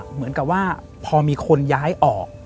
เหมือนกับว่าพอมีคนย้ายออก